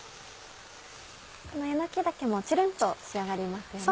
このえのき茸もちゅるんと仕上がりますよね。